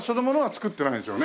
つくってないんですよ。